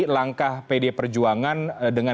langkah pd perjuangan dengan